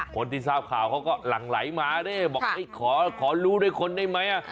คนที่ทราบข่าวเขาก็หลั่งไหลมาดิบอกขอรู้ด้วยคนได้ไหม